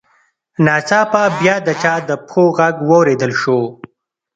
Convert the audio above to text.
ناڅاپه بیا د چا د پښو غږ واورېدل شو